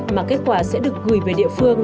mà kết quả sẽ được gửi về địa phương